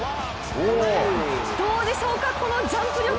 どうでしょうか、このジャンプ力。